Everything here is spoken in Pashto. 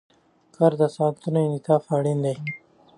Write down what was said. د کار ساعتونو انعطاف اړین دی.